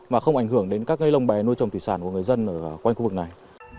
mà không ảnh hưởng đến các cây lông bè nuôi trồng thủy sản của người dân ở quanh khu vực này